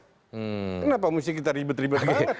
kenapa mesti kita ribet ribet banget